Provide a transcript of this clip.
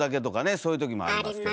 そういうときもありますけど。